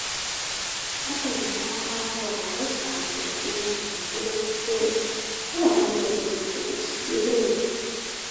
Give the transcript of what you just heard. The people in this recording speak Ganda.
Wakayima n'akaaba nga bw'alekaanira envubu nti, nvubu gwe, tolaba nti onninye ku kigere?